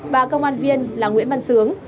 và công an viên là nguyễn văn sướng